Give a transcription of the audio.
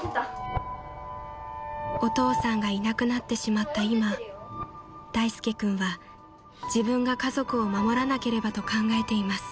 ［お父さんがいなくなってしまった今大介君は自分が家族を守らなければと考えています］